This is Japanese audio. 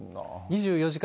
２４時間